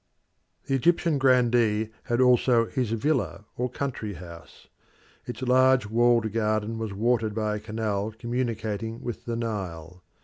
The Egyptian grandee had also his villa or country house. Its large walled garden was watered by a canal communicating with the Nile.